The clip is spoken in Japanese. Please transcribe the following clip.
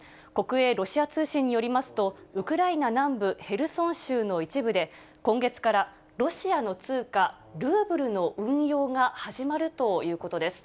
国営ロシア通信によりますと、ウクライナ南部ヘルソン州の一部で、今月からロシアの通貨ルーブルの運用が始まるということです。